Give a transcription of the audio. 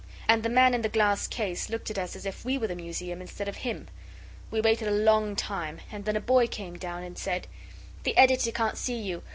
And the man in the glass case looked at us as if we were the museum instead of him. We waited a long time, and then a boy came down and said 'The Editor can't see you.